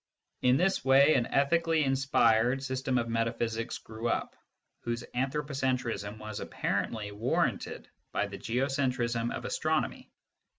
In this way, an_ethically / inspired system of metaphysics grew up, whose anthro pocentrism was apparently warranted by the geocentrism of astronomy.